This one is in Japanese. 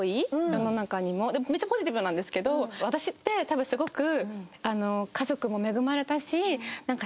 めっちゃポジティブなんですけど私って多分すごく。